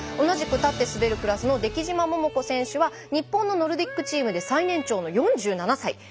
同じく立って滑るクラスの出来島桃子選手は日本のノルディックチームで最年長の４７歳。